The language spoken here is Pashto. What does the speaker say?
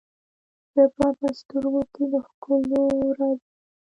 زه به په سترګو کې، د ښکلو ورځو،